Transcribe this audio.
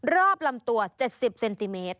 ลำตัว๗๐เซนติเมตร